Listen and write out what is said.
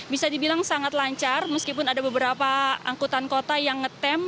bisa dibilang sangat lancar meskipun ada beberapa angkutan kota yang ngetem